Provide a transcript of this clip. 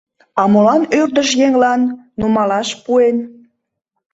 А молан ӧрдыж еҥлан нумалаш пуэн?